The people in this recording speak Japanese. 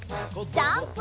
ジャンプ！